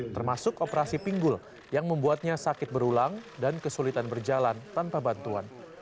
termasuk operasi pinggul yang membuatnya sakit berulang dan kesulitan berjalan tanpa bantuan